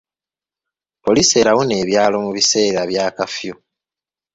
Poliisi erawuna ebyalo mu biseera bya kafiyu.